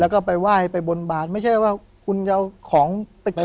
แล้วก็ไปไหว้ไปบนบานไม่ใช่ว่าคุณจะเอาของไป